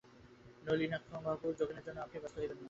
নলিনাক্ষবাবু, যোগেনের জন্য আপনি ব্যস্ত হইবেন না।